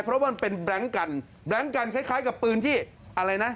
เพราะมันเป็นแบล็งกันแบล็งกันคล้ายกับปืนที่อะไรนะ